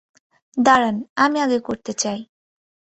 দাঁড়ান, আমি আগে করতে চাই।